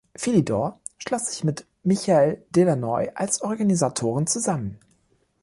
Philidor schloss sich mit Michel Delannoy als Organisatoren zusammen.